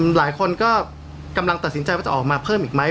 หลายคนก็กำลังตัดสินใจว่าจะออกมาเพิ่มอีกไหม